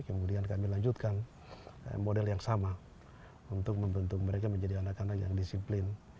kemudian kami lanjutkan model yang sama untuk membentuk mereka menjadi anak anak yang disiplin